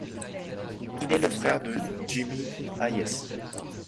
Il est le frère de Jimmy Hayes.